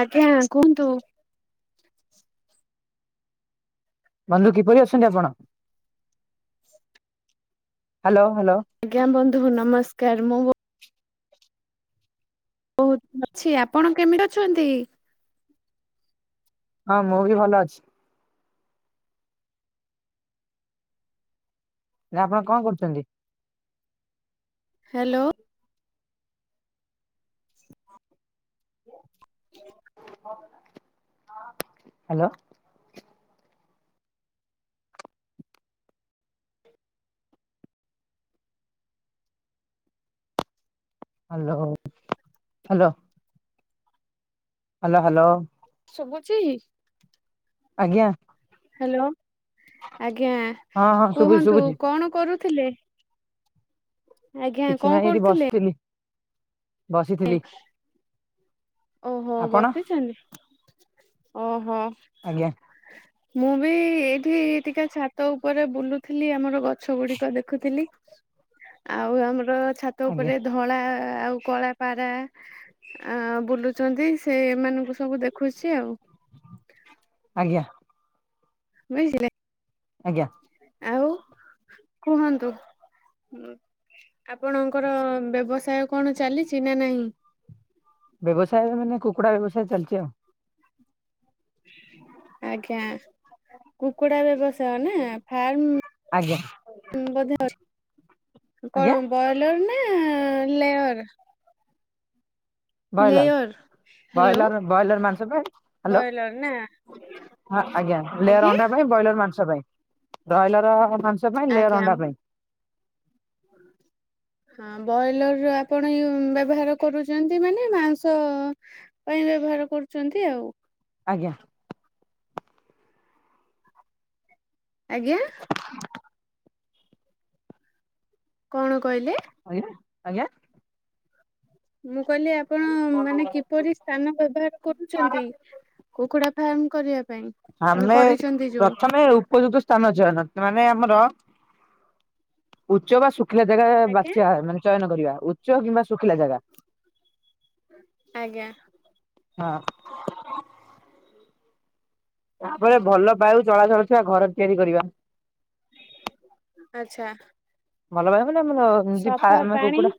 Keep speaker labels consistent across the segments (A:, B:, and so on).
A: ଆଜ୍ଞା କୁହନ୍ତୁ?
B: ବନ୍ଧୁ କିପରି ଅଛନ୍ତି ଆପଣ? Hello, hello.
A: ଆଜ୍ଞା ବନ୍ଧୁ ନମସ୍କାର, ମୁଁ ବ ବହୁତ [inaudible] ଅଛି, ଆପଣ କେମିତି ଅଛନ୍ତି?
B: ହଁ, ମୁଁ ବି ଭଲ ଅଛି। ଏ ଆପଣ କଣ କରୁଛନ୍ତି?
A: Hello! [inaudible]
B: Hello! Hello! Hello! Hello, hello.
A: ଶୁବୁଛି?
B: ଆଜ୍ଞା।
A: ହାଲୋ, ଆଜ୍ଞା
B: ହଁ ହଁ ଶୁଭୁଛି
A: କୁହନ୍ତୁ
B: ଶୁଭୁଛି
A: କଣ କରୁଥିଲେ? ଆଜ୍ଞା
B: କିଛି
A: କଣ
B: ନାଇଁ ଏଇଠି ବସଥିଲି।
A: ଏ ଓହୋ!
B: ଆପଣ
A: ବସିଛନ୍ତି ଓହୋ,।
B: ଆଜ୍ଞା।
A: ମୁଁ ବି ଏଇଠି ଟିକେ ଛାତ ଉପରେ ବୁଲୁଥିଲି ଆମର ଗ ଛ ଗୁଡିକ ଦେଖୁଥିଲି, ଆଉ ଆମର ଛାତ
B: ଆଜ୍ଞା
A: ଉପରେ ଧ ଧଳା ଆଉ କଳା ପାରା ଆଁ, ବୁଲୁଛନ୍ତି ସେମାନଙ୍କୁ ସବୁ ଦେଖୁଛି ଆଉ।
B: ଆଜ୍ଞା।
A: ବୁଝିଲେ।
B: ଆଜ୍ଞା।
A: ଆଉ କୁହନ୍ତୁ? ଆପଣଙ୍କର ବ୍ୟବସାୟ କଣ ଚାଲିଛି ନା ନାହିଁ?
B: ବ୍ୟବସାୟ ମାନେ କୁକୁଡ଼ା ବ୍ୟବସାୟ ଚାଲଚି ଆଉ।
A: ଆଜ୍ଞା କୁକୁଡା ବ୍ୟବସାୟ ନା ଫାର୍ମ
B: ଆଜ୍ଞା
A: ତୁମ ବୋଧେ ଅ
B: ଆଜ୍ଞା
A: କଣ ବଏ ଲର୍ ନା layer.
B: Broiler
A: layer hello
B: broiler broiler ମାଂସ ପାଇଁ ହାଲୋ
A: ବ୍ରଏଲର ନା
B: ହଁ ଆଜ୍ଞା ଲେୟର
A: ଆଜ୍ଞା
B: ଅଣ୍ଡା ପାଇଁ ବଏଲର ମାଂସ ପାଇଁ ବଏଲର ମାଂସ ପାଇଁ ଲେୟର
A: ଆଜ୍ଞା
B: ଅଣ୍ଡା ପାଇଁ।
A: ହଁ ବଏଲର ର ଆପଣ ୟୁ ବ୍ୟବହାର କରୁଚନ୍ତି ମାନେ ମାଂସ ପାଇଁ ବ୍ୟବହାର କରୁଚନ୍ତି ଆଉ।
B: ଆଜ୍ଞା।
A: ଆଜ୍ଞା! କଣ କହିଲେ?
B: ଆଜ୍ଞା ଆଜ୍ଞା।
A: ମୁଁ କଇଲି ଆପଣ ମାନେ କିପରି ସ୍ଥାନ ବ୍ୟବହାର କରୁଚନ୍ତି? କୁକୁଡ଼ା ଫାର୍ମ କରିଆ ପାଇଁ।
B: ଆମେ
A: କରିଛନ୍ତି ଯୋଉ
B: ପ୍ରଥମେ ଉପଯୁକ୍ତ ସ୍ଥାନ ଚୟନ ମାନେ ଆମର ଉଚ୍ଚ ବା ଶୁଖିଲା ଜାଗା
A: ଆଜ୍ଞା
B: ବାଛିଆ ଆ ମାନେ ଚୟନ କରିବା ଉଚ୍ଚ କିମ୍ବା ଶୁଖିଲା ଜାଗା।
A: ଆଜ୍ଞା!
B: ହଁ। ତାପରେ ଭଲ ବାୟୁ ଚଳାଚଳ ଥିବା ଘର ତିଆରି କରିବା।
A: ଆଛା।
B: ଭଲ ରହିବନା ଆମର ଏମତି ଫାର୍ମ
A: ପାଣି
B: କୁକୁଡା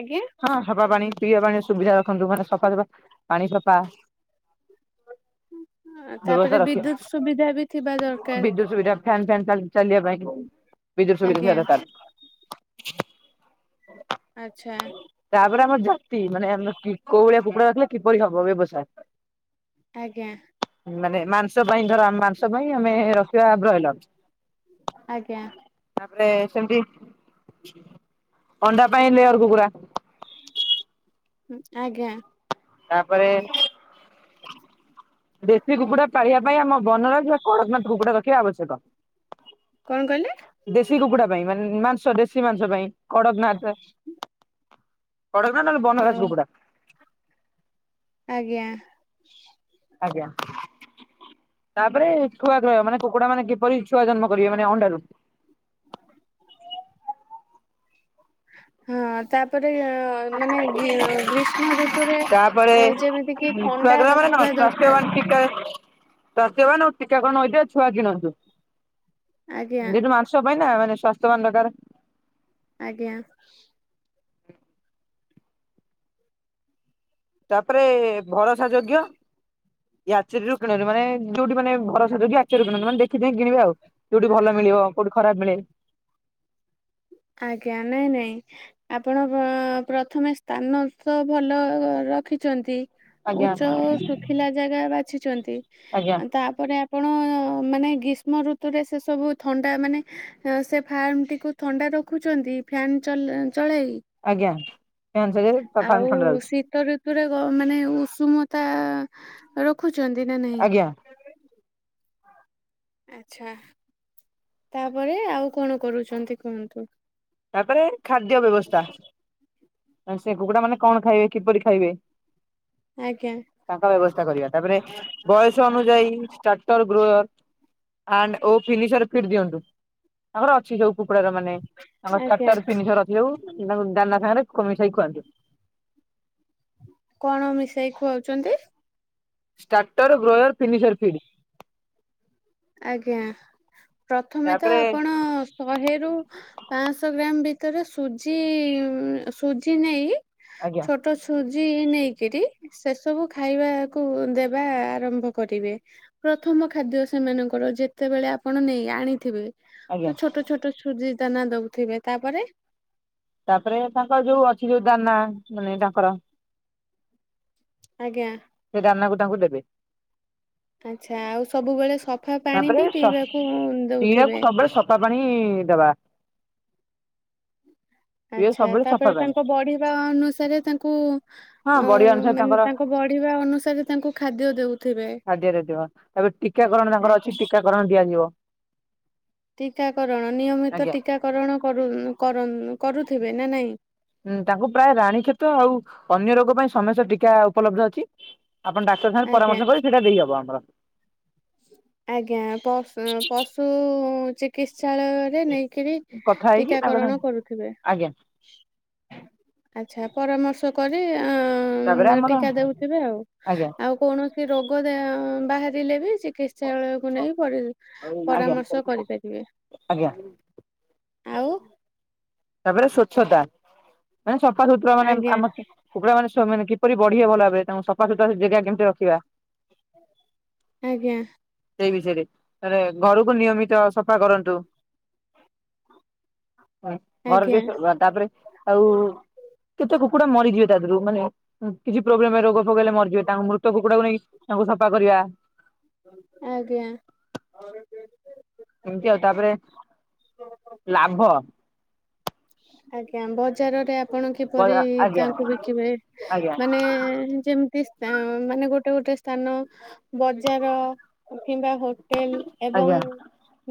A: ଆଜ୍ଞା
B: ହଁ ସଫା ପାଣି। ପିଇବା ପାଣିର ସୁବିଧା ରଖନ୍ତୁ ମାନେ ସଫାସଫା ପାଣି ସଫା।
A: ଅଁ
B: ବ୍ୟବସ୍ଥା
A: ତାପରେ
B: ରଖିବା
A: ବିଦ୍ୟୁତ ସୁବିଧା ବି ଥିବା ଦରକାର।
B: ବିଦ୍ୟୁତ ସୁବିଧା ଫ୍ୟାନ ଫ୍ୟାନ ଚାଲ ଚାଲିଆ ପାଇଁ ବିଦ୍ୟୁତ୍ ସୁବିଧା
A: ଆଜ୍ଞା
B: ଥିବା ଦରକାର।
A: ଆଚ୍ଛା।
B: ତାପରେ ଆମର ଜାତି ମାନେ ଆମେ କି କୋଉଭଳିଆ କୁକୁଡା ରଖିଲେ କିପରି ହବ ବ୍ୟବସାୟ।
A: ଆଜ୍ଞା।
B: ମାନେ ମାଂସ ପାଇଁ ଧର ମାଂସ ପାଇଁ ଆମେ ରଖିବା ବ୍ରଏଲର।
A: ଆଜ୍ଞା।
B: ତାପରେ ସେମିତି ଅଣ୍ଡା ପାଇଁ ଲେୟର କୁକୁଡ଼ା।
A: ଆଜ୍ଞା।
B: ତାପରେ ଦେଶୀ କୁକୁଡ଼ା ପାଳିବା ପାଇଁ ଆମ ବନରାଜ ବା କଡ଼କନାଥ କୁକୁଡା ରଖିବା ଆବଶ୍ୟକ।
A: କଣ କହିଲେ?
B: ଦେଶୀ କୁକୁଡା ପାଇଁ ମାନେ ମାଂସ ଦେଶୀ ମାଂସ ପାଇଁ କଡ଼କନାଥ କଡ଼କନାଥ ନହେଲେ
A: ହଁ
B: ବନରାଜ୍ କୁକୁଡ଼ା
A: ଆଜ୍ଞା।
B: ଆଜ୍ଞା। ତାପରେ ଛୁଆ ଧରିବ ମାନେ କୁକୁଡ଼ା ମାନେ କିପରି ଛୁଆ ଜନ୍ମ କରିବେ ମାନେ ଅଣ୍ଡାରୁ
A: [inaudible] ହଁ ତାପରେ ମାନେ ଗ୍ରୀଷ୍ମ ଋତୁରେ
B: ତାପରେ
A: ଯେମିତି କିି
B: ଛୁଆ
A: ଥଣ୍ଡା
B: ଗ୍ରହ
A: ରଖିବା ଦରକାର? [inaudible]
B: [unintelligible] ସବାଇ ନା
A: ଆଜ୍ଞା
B: ମାନେ ସ୍ବାସ୍ଥ୍ୟବାନ୍ ଦରକାରେ
A: ଆଜ୍ଞା।
B: ତାପରେ ଭରସା ଯୋଗ୍ୟ ଇଏ ଅଚେରି ରୁ କିଣନ୍ତି ମାନେ ଯୋଉଠି ମାନେ ଭରସା ଯୋଗ୍ୟ ଆଚେରି କିଣନ୍ତି ମାନେ ଦେଖି ଚାହିଁ କିଣିବେ ଆଉ? ଯୋଉଠି ଭଲ ମିଳିବ କୋଉଠି ଖରାପ ମିଳେ।
A: ଆଜ୍ଞା ନାଇଁ ନାଇଁ। ଆପଣ ପ୍ରଥମେ ସ୍ଥାନ ତ ଭଲ ରଖିଛନ୍ତି?
B: ଆଜ୍ଞା
A: ଉଚ୍ଚ ଶୁଖିଲା ଜାଗା ବାଛିଛନ୍ତି।
B: ଆଜ୍ଞା
A: ତାପରେ ଆପଣ ମାନେ ଗ୍ରୀଷ୍ମ ଋତୁରେ ସେ ସବୁ ଥଣ୍ଡା ମାନେ ସେ ଫାର୍ମ ଟିକୁ ଥଣ୍ଡାର ଦେଖୁଛନ୍ତି ଫ୍ୟାନ୍ ଚଲେଇ ଚଳେଇ
B: ଆଜ୍ଞା। ଏ ପିଅନ ଚାକିରୀ
A: ଆଉ ଶୀତ ଋତୁରେ ଗ ମାନେ ଉଷୁମତା ରଖୁଛନ୍ତି ନା ନାହିଁ?
B: ଆଜ୍ଞା
A: ଆଛା ତାପରେ ଆଉ କଣ କରୁଛନ୍ତି କୁହନ୍ତୁ?
B: ତାପରେ ଖାଦ୍ୟ ବ୍ୟବସ୍ଥା। ସେ କୁକୁଡା ମାନେ କଣ ଖାଇବେ କିପରି ଖାଇବେ?
A: ଆଜ୍ଞା
B: ତାଙ୍କ ବ୍ୟବସ୍ଥା କରିବା। ତାପରେ ବୟସ ଅନୁଯାୟୀ ଷ୍ଟାଟର ଗ୍ରୋ ଆଣ୍ଡ ଓ ଫିନିସର୍ ଫିଟ ଦିଅନ୍ତୁ। ତାଙ୍କର ଅଛି ସବୁ କୁକୁଡାର ମାନେ ତାଙ୍କର
A: ଆଜ୍ଞା
B: ଷ୍ଟାଟର ତିନିଶହରୁ ଅଧିକ ହେଉ ଦାନା ସାଙ୍ଗରେ ମିଶାଇ ଖୁଆନ୍ତି।
A: କଣ ମିଶାଇ ଖୁଆଉଛନ୍ତି?
B: Starter grower finisher feed.
A: ଆଜ୍ଞା ପ୍ରଥମେ ତ
B: ତାପରେ
A: ଆପଣ ଶହେରୁ ପାଂଶହ ଗ୍ରାମ ଭିତରେ ସୁଜି ସୁଜି ନେଇ ଛୋ
B: ଆଜ୍ଞା
A: ଛୋଟ ସୁଜି ନେଇକିରି ସେସବୁ ଖାଇବାକୁ ଦେବା ଆରମ୍ଭ କରିବେ। ପ୍ରଥମ ଖାଦ୍ୟ ସେମାନଙ୍କର ଯେତେବେଳେ ଆପଣ ନେଇ ଆଣିଥିବେ।
B: ଆଜ୍ଞା।
A: ତ ଛୋଟ ଛୋଟ ଛୋଟ ସୁଜି ଦାନା ଦଉଥିବେ ତାପରେ
B: ତାପରେ ତାଙ୍କର ଯୋଉ ଅଛି ଯୋଉ ଦାନା ମାନେ ତାଙ୍କର
A: ଆଜ୍ଞା।
B: ସେ ଦାନା କୁ ତାଙ୍କୁ ଦେବେ।
A: ଆଚ୍ଛା ଆଉ ସବୁବେଳେ ସଫା ପାଣି
B: ତାପରେ
A: ବି
B: ସ
A: ପିଇବାକୁ
B: ପିଇବାକୁ
A: ଦଉଥିବେ।
B: ସବୁବେଳେ ସଫା ପାଣି ଦବା। ପିଇବାକୁ
A: ଆଚ୍ଛା
B: ସବୁବେଳେ ସଫା
A: ତାପରେ
B: ପାଣି।
A: ତାଙ୍କ ବଢିବା ଅନୁସାରେ ତାଙ୍କୁ
B: ହଁ
A: ଅ
B: ବଡି ଅନୁସାରେ
A: ମାନେ
B: ତାଙ୍କର
A: ତା ବଢିବା ଅନୁସାରେ ତାଙ୍କୁ ଖାଦ୍ୟ ଦେଉଥିବେ
B: ଖାଦ୍ୟରେ
A: ଆଜ୍ଞା।
B: ଟିକାକରଣ ଦିଆଯିବ।
A: ଟୀକାକରଣ ନିୟମିତ
B: ଆଜ୍ଞା
A: ଟିକାକରଣ କରୁ କର କରୁଥିବେ ନା ନାଇଁ?
B: ହୁଁ ତାଙ୍କୁ ପ୍ରାୟ ରାଣୀ କ୍ଷେତ ଆଉ ଅନ୍ୟ ରୋଗ ପାଇଁ ସମସ୍ତ ଟୀକା ଉପଲବ୍ଧ ଅଛି। ଆପଣ ଡାକ୍ତର ସାଙ୍ଗରେ
A: ଆଜ୍ଞା
B: ପରାମର୍ଶ କରିିବ ସେଇଟା ଦେଇହବ ଆମର।
A: ଆଜ୍ଞା ପ ପଶୁ ଚିକିତ୍ସାଳୟରେ ନେଇକିରି
B: କଥା ହେଇକି ତାଙ୍କ ସାଙ୍ଗେ
A: ଟିକାକରଣ କରୁଥିବେ?
B: ଆଜ୍ଞା
A: ଆଚ୍ଛା ପରାମର୍ଶ କରି ଆ
B: ତାପରେ
A: ଉମୁ ହେ
B: ଆମର
A: ଟିକା ଦଉଥିବେ ଆଉ
B: ଆଜ୍ଞା
A: ଆଉ କୌଣସି ରୋଗ ଦେହ ବାହାରିଲେ ବି ସେ ସେଳୟକୁ ନେଇ ପର
B: ଆଜ୍ଞା
A: ପରାମର୍ଶ କରିପାରିବେ
B: ଆଜ୍ଞା
A: ଆଉ
B: ତାପରେ ସ୍ଵଚ୍ଛତା ମାନେ ସଫା ସୁତୁରା ମାନେ
A: ଆଜ୍ଞା
B: ଆମ କୁକୁଡା ମାନେ ଛୁଆ ମାନେ କିପରି ବଢି ହବ ଭଲ ଭାବରେ ତାଙ୍କୁ ସଫାଶୁତୁରା ସେ ଜାଗା କେମିତି ରଖିବା
A: ଆଜ୍ଞା
B: ସେଇ ବିଷୟରେ ମାନେ ଘରକୁ ନିୟମିତ ସଫା କରନ୍ତୁ। ହୁଁ ଘର
A: ଆଜ୍ଞା
B: ଡିସ୍ [unintelligible] ତାପରେ ଆଉ କେତେ କୁକୁଡା ମରିଯିବେ ତା ଦେରୁ ମାନେ ଉ କିଛି ପ୍ରୋବ୍ଲେମ ରେ ରୋଗ ଫୋଗ ହେଲେ ମରିଯିବେ ତାଙ୍କୁ ମୃତ କୁକୁଡାକୁ ନେଇ ତାଙ୍କୁ ସଫା କରିବା
A: ଆଜ୍ଞା ଘରେ ଦେଏ ଟିକେ
B: ଏମିତି ଆଉ ତାପରେ ଲାଭ
A: ଆଜ୍ଞା ବଜାରରେ ଆପଣ କିପରି
B: ଆଜ୍ଞା
A: ତାଙ୍କୁ ବିକିବେ
B: ଆଜ୍ଞା
A: ମାନେ ଯେମ ତି ସ୍ତୀ ମାନେ ଗୋଟେ ଗୋଟେ ସ୍ଥାନ ବଜାର କିମ୍ବା ହୋ ଟେଲ
B: ଆଜ୍ଞା
A: ଏବଂ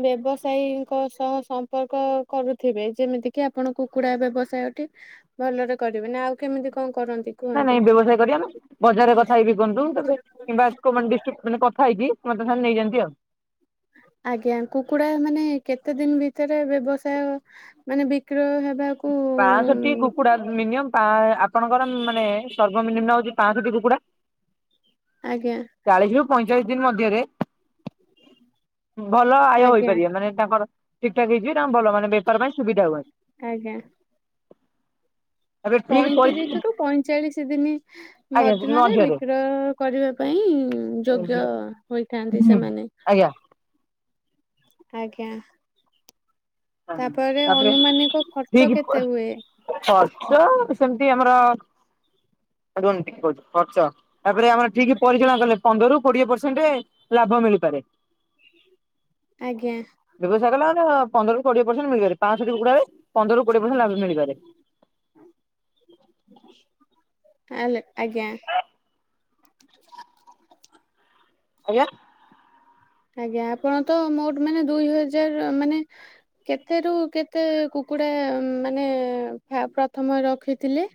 A: ବ୍ୟବସାୟୀଙ୍କ ସହ ସମ୍ପର୍କ କରୁଥିବେ ଯେମିତି କି ଆ ଆପଣ କୁକୁଡା ବ୍ୟବସାୟଠିକ ଭଲରେ କରିବେନି ଆଉ କେମିତି କଣ କରନ୍ତି
B: ନାଇଁ
A: କୁହନ୍ତୁ?
B: ନାଇଁ ବ୍ୟବସାୟ କରିବା ନା ବଜାରରେ କଥା ହେଇକି କୁହନ୍ତୁ କିମ୍ବା କୋ ଡିସ୍ଟିକ୍ କଥା ହେଇକି ମତେ ନେଇଯାଆନ୍ତି ଆଉ
A: ଆଜ୍ଞା କୁକୁଡା ମାନେ କେତେ ଦିନି ଭିତରେ ବ୍ୟବସାୟ ମାନେ ବିକ୍ରୟ ହେବା
B: ବାଁସଟି କୁକୁଡ଼ା ମିନିମ ପାଆ- ଆପଣଙ୍କର ମାନେ ସର୍ବମିନିମ ହଉଛି ପାଁସଠି କୁକୁଡା
A: ଆଜ୍ଞା
B: ଚାଳିଶି ରୁ ପଇଁଚାଳିଶି ଦିନି ମଧ୍ୟରେ ଭଲ ଆୟ
A: ଆଜ୍ଞା
B: ହେଇପାରିବ ମାନେ ତାଙ୍କର ଠିକ ଠାକ ହେଇଯିବ ନା ଭଲ ମାନେ ବେପାର ପାଇଁ ସୁବିଧା ହୁଏ
A: କାଆଜ୍ଞା
B: ଏବେ ଠିକ୍ ପରି
A: ପଇଁତିରିଶ ରୁ ପଇଁଚାଳିଶ ଦିନି ମଧ୍ୟରେ ବିକ୍ରୟ କରିବା ପାଇଁ ଯୋଗ୍ୟ
B: ହୁଁ
A: ହୋଇଥାନ୍ତି ସେମାନେ
B: ଆଜ୍ଞା।
A: ଆଜ୍ଞା ତାପରେ
B: ହଁତାପରେ
A: ଅନୁମାନିକ ଖର୍ଚ୍ଚ
B: ଠିକ୍ ପ
A: କେତେ ହୁଏ?
B: ଖର୍ଚ୍ଚ ସେମିତି ଆମର ରୁହନ୍ତୁ ଟିକେ କହୁଚି ଖର୍ଚ୍ଚ ତାପରେ ଆମର ଠିକ ପରିଚାଳନା କଲେ ପନ୍ଦରରୁ କୋଡିଏ ପରସେଣ୍ଟରେ ଲାଭ ମିଳିପାରେ
A: ଆଜ୍ଞା
B: ବ୍ୟବସାୟ କଲା ମାନ ପନ୍ଦର ରୁ କୋଡିଏ ପରସେଣ୍ ମିଳିପାରେ ପାଞ୍ଚଷଠି କୁକୁଡାରେ ପନ୍ଦର କୋଡିଏ ପରସେଟ ଲାଭ ମିଳିପାରେ
A: ତାଲେ ଆଜ୍ଞା
B: ଆଜ୍ଞା
A: ଆଜ୍ଞା ଆପଣ ତ ମୋଟ ମାନେ ଦୁଇ ହଜାର ମାନେ କେତେ ରୁ କେତେ କୁକୁଡ଼ା ମାନେ ଫା ପ୍ରଥମେ ରଖିଥିଲେ?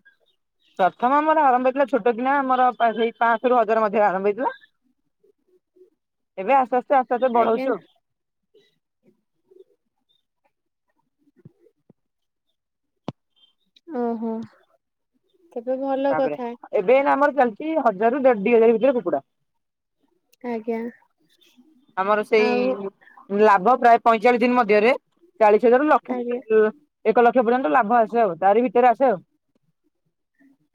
B: ପ୍ରଥମ ମୋର ଆରମ୍ଭ ହେଇଥିଲା ଛୋଟ କିନା ମୋର ସେଇ ପାଞ୍ଚରୁ ହଜାର ମଧ୍ୟ ଆରମ୍ଭ ହେଇଥିଲା ଏବେ ଆସ୍ତେ ଆସ୍ତେ ଆସ୍ତେ ଆସ୍ତେ
A: ଆଜ୍ଞା
B: ବଢଉଛୁଉ
A: ଓହୋ ତେବେ ଭଲ
B: ତାପରେ
A: କଥା
B: ଏବେ ଏଇନା ଆମର ଚାଲିଛି ହଜାରରୁ ଦେଢ ଦି ହଜାର ଭିତରେ କୁକୁଡ଼ା
A: ଆଜ୍ଞା
B: ଆମର
A: ଆଉ
B: ସେଇ ଲାଭ ପ୍ରାୟ ପଇଁଚାଳିଶ ଦିନ ମଧ୍ୟରେ ଚାଳିଶ ହଜାରରୁ ଲକ୍ଷେ
A: ଆଜ୍ଞା।
B: [unintelligible] ଏକ ଲକ୍ଷ ପର୍ଯ୍ୟନ୍ତ ଲାଭ ଆସେ ଆଉ, ତାରି ଭିତରେ ଆସେ ଆଉ।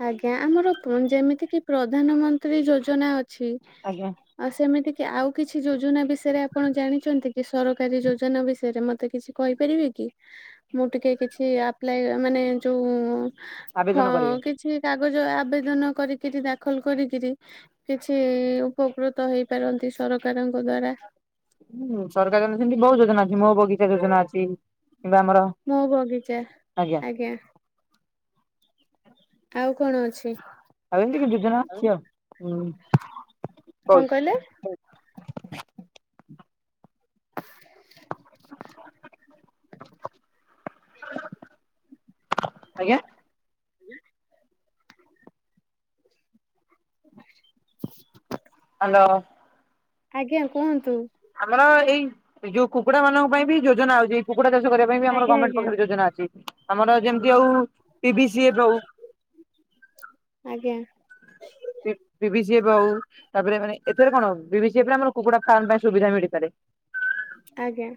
A: ଆଜ୍ଞା ଆମର ପ ଯେମିତିକିି ପ୍ରଧାନମନ୍ତ୍ରୀ ଯୋଜନା ଅଛି।
B: ଆଜ୍ଞା।
A: ଆଉ ସେମିତି କି ଆଉ କିଛି ଯୋଜନା ବିଷୟରେ ଆପଣ ଜାଣିଚନ୍ତି କି ସରକାରୀ ଯୋଜନା ବିଷୟରେ ମତେ କିଛି କହିପାରିବେ କି, ମୁଁ ଟିକେ କିଛି ଆପ୍ଲାଏ ମାନେ ଯୋଉ ହଁ
B: ଆବେଦନ କରିବେ।
A: କିଛି କାଗଜ ଆବେଦନ କରିକିରି ଦାଖଲ କରିକିରି କିଛି ଉପକୃତ ହେଇପାରନ୍ତି ସରକାରଙ୍କ ଦ୍ଵାରା
B: ହୁଁଉଁ-ଉଁ, ସରକାରଙ୍କ ସେମିତି ବହୁତ ଯୋଜନା ଅଛି ମୋ ବଗିଚା ଯୋଜନା ଅଛି, କିମ୍ବା ଆମର
A: ମୋ ବଗିଚା, ଆଜ୍ଞା। ଆଉ କଣ ଅଛି?
B: ଆଉ ଏମିତି କି ଯୋଜନା ଅଛି ଆଉ ହୁଁ
A: କଣ
B: କହୁଛି
A: କହିଲେ?
B: ଆଜ୍ଞା?
A: ହୁଁ
B: ହ୍ୟାଲୋ?
A: ଆଜ୍ଞା କୁହନ୍ତୁ।
B: ଆମର ଏଇ ଯୋଉ କୁକୁଡାମାନଙ୍କ ପାଇଁ ବି ଯୋଜନା ଆଉଛି। କୁକୁଡ଼ା ଚାଷ କରିବା ପାଇଁ ବି ଆମର
A: ଆଜ୍ଞା
B: ଗମେଣ୍ଟ୍
A: ଆଜ୍ଞା
B: ପାଖରେ ଯୋଜନା ଅଛି। ଆମର ଯେମିତି ଆଉ ପିଭି ସି ଏଫ୍ ହଉ
A: ଆଜ୍ଞା।
B: ପି, ପିଭିି ସି ଏଫ୍ ହଉ, ତାପରେ ମାନେ ଏଥିରେ କଣ ପିଭି ସି ଏଫ୍ ରେ ଆମର କୁକୁଡା ଫାର୍ମ୍ ପାଇଁ ସୁବିଧା ମିଳିପାରେ।
A: ଆଜ୍ଞା।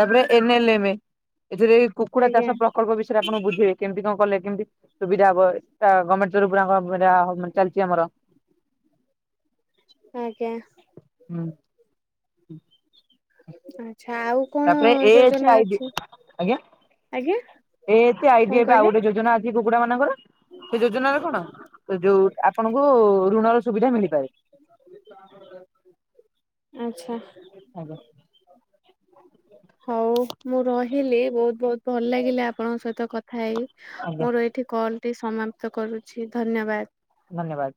B: ତାପରେ ଏନ୍ ଏଲ୍ ଏମ୍, ଏଥିରେ ବି କୁକୁଡା
A: ଆଜ୍ଞା
B: ଚାଷ ପ୍ରକଳ୍ପ ବିଷ ସେଇଟା ଆପଣ ବୁଝିବେ କେମିତି କଣ କଲେ କେମିତି ସୁବିଧା ହବ ଏଇଟା ଗମେଣ୍ଟ ତରଫରୁ [unintelligible] ହେରା ଚାଲିଛି ଆମର।
A: ଆଜ୍ଞା।
B: ହୁଁ। ହୁଁ।
A: ଆଛା ଆଉ କଣ
B: ତାପରେ ଏ ଏଚ୍
A: ଯୋଜନା
B: ଆଇ ଡି,
A: ଅଛି ଆଜ୍ଞା
B: ଏ ଏଚ୍ ଆଇ ଡି,
A: କଣ
B: ଏକ ଆଉ
A: କହିଲେ
B: ଗୋଟେ ଯୋଜନା ଅ କି କୁକୁଡାମାନଙ୍କର, ସେ ଯୋଜନାରେ କଣ ଯୋଉ ଆପଣଙ୍କୁ-ଉ-ଉ-ଉ ଋଣର ସୁବିଧା ମିଳିପାରେ।
A: ଆଚ୍ଛା।
B: ହ୍ୟାଲୋ।
A: ହଉ ମୁଁ ରହିଲି, ବହୁତ ବହୁତ ଭଲ ଲାଗିଲା ଆପଣଙ୍କ ସହିତ କଥା ହେଇ
B: ଆଜ୍ଞା
A: ମୋର ଏଇ ଏଠି କଲ୍ ଟି ସମାପ୍ତ କରୁଛି ଧନ୍ୟବାଦ।
B: ଧନ୍ୟବାଦ।